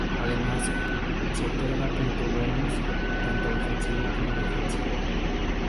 Además "se otorga punto bonus" tanto ofensivo como defensivo.